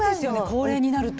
高齢になると。